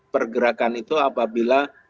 pergerakan itu apabila